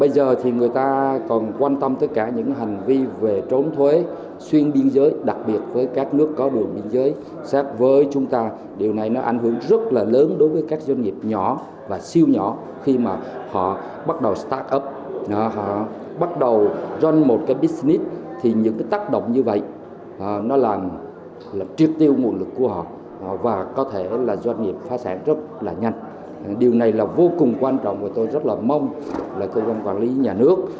điều này là vô cùng quan trọng và tôi rất mong cơ quan quản lý nhà nước